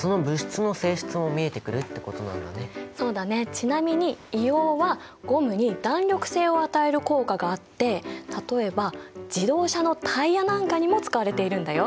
ちなみに硫黄はゴムに弾力性を与える効果があって例えば自動車のタイヤなんかにも使われているんだよ。